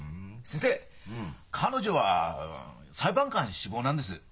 先生彼女は裁判官志望なんです。